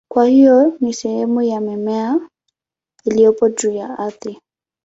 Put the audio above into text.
Kwa hiyo ni sehemu ya mmea iliyopo juu ya ardhi.